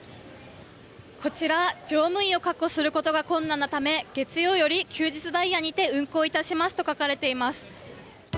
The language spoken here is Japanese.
乗務員を確保することが困難なため月曜より、休日ダイヤにて運行いたしますと書かれています。